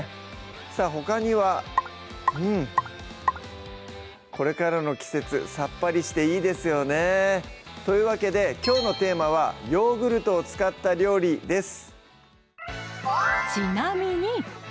さぁほかにはうんこれからの季節さっぱりしていいですよねというわけできょうのテーマは「ヨーグルトを使った料理」です